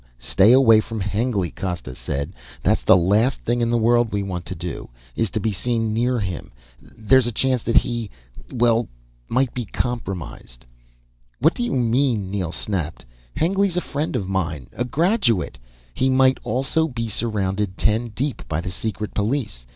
Stay away from Hengly," Costa said. "The last thing in the world we want to do, is to be seen near him. There's a chance that he ... well ... might be compromised." "What do you mean!" Neel snapped. "Hengly's a friend of mine, a graduate " "He might also be surrounded ten deep by the secret police.